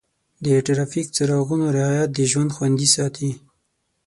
د ټرافیک څراغونو رعایت د ژوند خوندي ساتي.